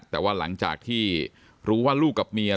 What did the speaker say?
แต่ว่าหลังจากที่รู้ว่าลูกกับเมีย